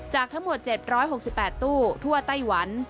ทั้งหมด๗๖๘ตู้ทั่วไต้หวัน